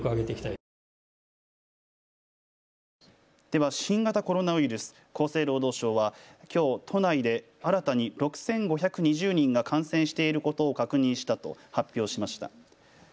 では新型コロナウイルス、厚生労働省はきょう都内で新たに６５２０人が感染していることを確認したと発表しました。